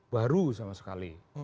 baru sama sekali